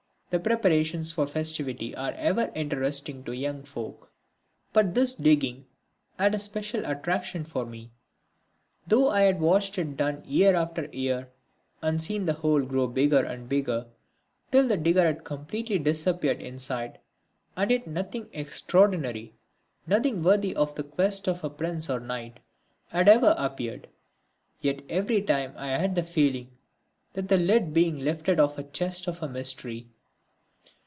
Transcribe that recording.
The preparations for festivity are ever interesting to young folk. But this digging had a special attraction for me. Though I had watched it done year after year and seen the hole grow bigger and bigger till the digger had completely disappeared inside, and yet nothing extraordinary, nothing worthy of the quest of prince or knight, had ever appeared yet every time I had the feeling that the lid being lifted off a chest of mystery.